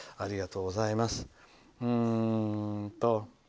ありがとうございます。